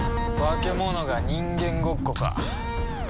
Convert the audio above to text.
化け物が人間ごっこか。